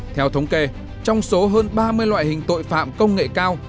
theo thống kê trong số hơn ba mươi loại hình tội phạm công nghệ cao